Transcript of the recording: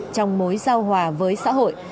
trong mối giao hòa với xã hội